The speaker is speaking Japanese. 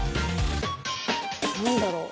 何だろう？